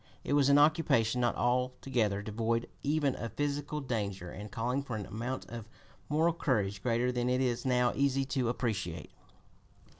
It was an occupation not altogether devoid even of physical danger, and calling for an amount of moral courage greater than it is now easy to appreciate.